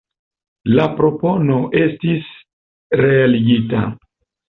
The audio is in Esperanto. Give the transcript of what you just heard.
La propono estis realigita.